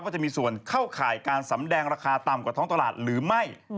จะมีส่วนเข้าข่ายการสำแดงราคาต่ำกว่าท้องตลาดหรือไม่